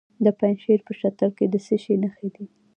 د پنجشیر په شتل کې د څه شي نښې دي؟